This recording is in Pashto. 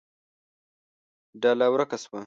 ډله ورکه شوه.